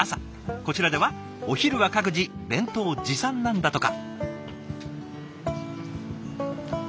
こちらではお昼は各自弁当持参なんだとか。